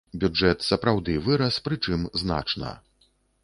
Бюджэт сапраўды вырас, прычым значна.